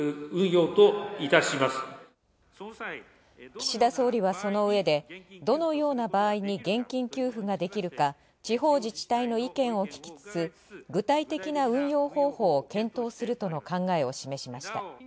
岸田総理はその上で、どのような場合に現金給付ができるか地方自治体の意見を聞きつつ、具体的な運用方法を検討するとの考えを示しました。